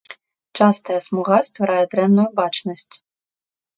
Частая смуга стварае дрэнную бачнасць.